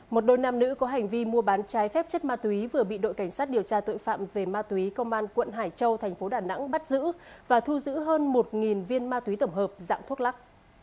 một đôi nam nữ có hành vi mua bán trái phép chất ma túy vừa bị đội cảnh sát điều tra tội phạm về ma túy công an quận hải châu thành phố đà nẵng bắt giữ và thu giữ hơn một viên ma túy tổng hợp dạng thuốc lắc